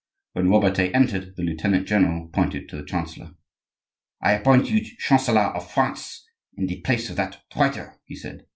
When Robertet entered, the lieutenant general pointed to the chancellor. "I appoint you chancellor of France in the place of that traitor," he said.